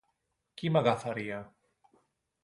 Qui m'agafaria?